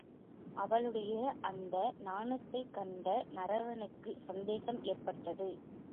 அவளுடைய அந்த நாணத்தைக் கண்ட நரவாணனுக்குச் சந்தேகம் ஏற்பட்டது.